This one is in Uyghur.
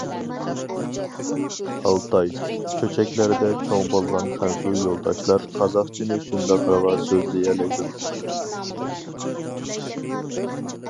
ئالتاي، چۆچەكلەردە چوڭ بولغان خەنزۇ يولداشلار قازاقچىنى شۇنداق راۋان سۆزلىيەلەيدۇ.